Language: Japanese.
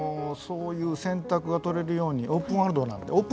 そういう選択が取れるようにオープンワールドなんで。